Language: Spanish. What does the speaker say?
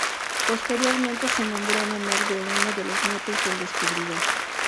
Posteriormente se nombró en honor de uno de los nietos del descubridor.